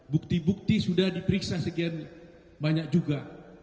bukti bukti sudah diperiksa sekian banyak juga